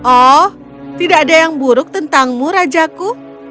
oh tidak ada yang buruk tentangmu rajaku